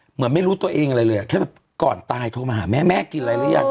เหมือนไม่รู้ตัวเองอะไรเลยอ่ะแค่แบบก่อนตายโทรมาหาแม่แม่กินอะไรหรือยัง